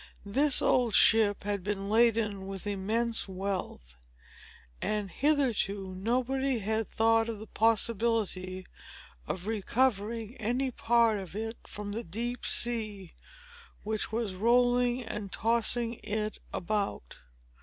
This old ship had been laden with immense wealth; and, hitherto, nobody had thought of the possibility of recovering any part of it from the deep sea, which was rolling and tossing it about.